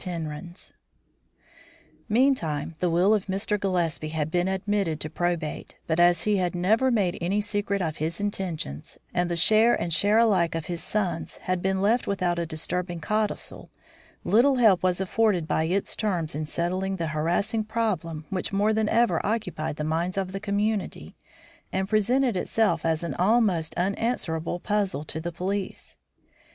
PENRHYN'S Meantime, the will of Mr. Gillespie had been admitted to probate; but as he had never made any secret of his intentions, and the share and share alike of his sons had been left without a disturbing codicil, little help was afforded by its terms in settling the harassing problem which more than ever occupied the minds of the community and presented itself as an almost unanswerable puzzle to the police.